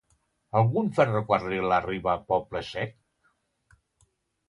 Algun ferrocarril arriba a Poble Sec?